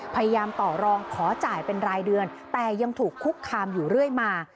พยายามต่อรองขอจ่ายเป็นรายเดือนแต่ยังถูกคุกคามอยู่เรื่อยมา